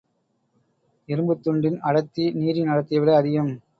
இரும்புத்துண்டின் அடர்த்தி நீரின் அடர்த்தியை விட அதிகம்.